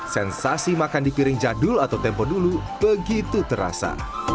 sensasi makan di piring jadul atau tempo dulu begitu terasa